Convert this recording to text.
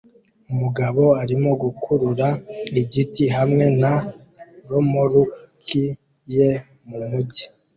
Umugabo arimo gukurura igiti hamwe na romoruki ye mu mujyi